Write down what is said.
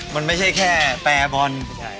มันไม่ใช่แค่แปรบอล